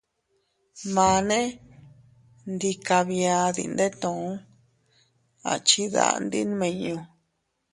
Mane ndi kabia dindetuu, a chidandi nmiñu.